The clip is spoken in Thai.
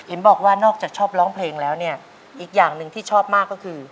บอกว่านอกจากชอบร้องเพลงแล้วเนี่ยอีกอย่างหนึ่งที่ชอบมากก็คือ